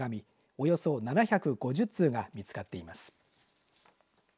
およそ７５０通がみつかっています。